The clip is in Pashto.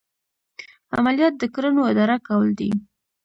عملیات د کړنو اداره کول دي.